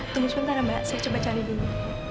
tunggu sebentar mbak saya coba cari dulu